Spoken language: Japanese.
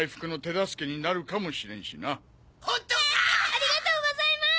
ありがとうございます！